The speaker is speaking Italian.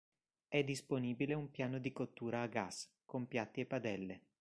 È disponibile un piano di cottura a gas, con piatti e padelle.